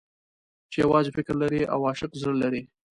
چې يوازې فکر لري او عاشق زړه لري.